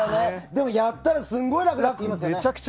でも、やったらすごい楽だって言いますよね。